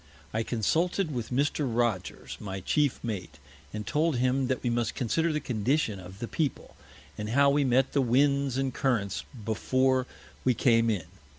I consulted with Mr. Rogers, my Chief Mate, and told him that we must consider the Condition of the People, and how we met the Winds and Currents before we came in.